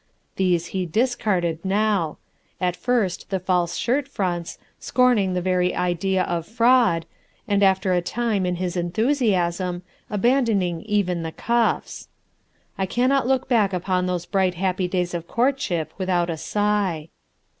These he discarded now, at first the false shirt fronts, scorning the very idea of fraud, and after a time, in his enthusiasm, abandoning even the cuffs. I cannot look back upon those bright happy days of courtship without a sigh.